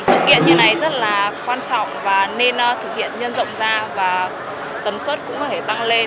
sự kiện như này rất là quan trọng và nên thực hiện nhân rộng ra và tầm suất cũng có thể tăng lên